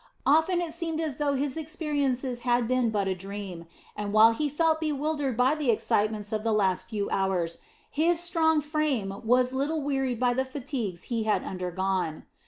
Often it seemed as though his experiences had been but a dream, and while he felt bewildered by the excitements of the last few hours, his strong frame was little wearied by the fatigues he had undergone.